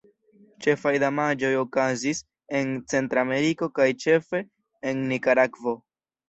Ĉefaj damaĝoj okazis en Centrameriko kaj ĉefe en Nikaragvo.